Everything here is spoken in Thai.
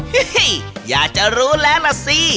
อยากจะรู้แล้วล่ะสิ